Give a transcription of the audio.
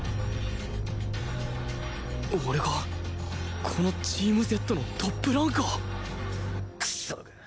俺がこのチーム Ｚ のトップランカー！？クソが！